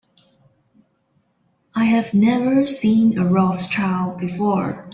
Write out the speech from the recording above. I have never seen a Rothschild before.